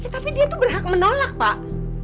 tapi dia tuh berhak menolak pak